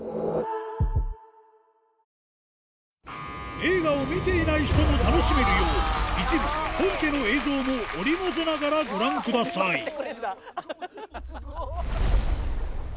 映画を見ていない人も楽しめるよう一部本家の映像も織り交ぜながらご覧くださいスゲェ！